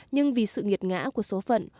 nhưng vì sự nghiệt ngã của số phận